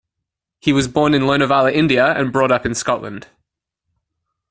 He was born in Lonavala, India, and brought up in Scotland.